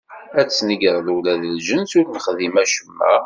Ad tesnegreḍ ula d lǧens ur nexdim acemma?